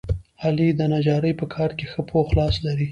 علي د نجارۍ په کار کې ښه پوخ لاس لري.